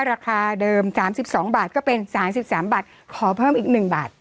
ราคาเดิม๓๒บาทก็เป็น๓๓บาทขอเพิ่มอีก๑บาท